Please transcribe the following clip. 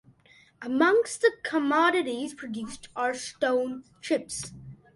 Amongst the commodities produced are stone chips.